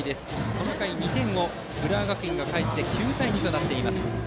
この回、２点を浦和学院が返して９対２となっています。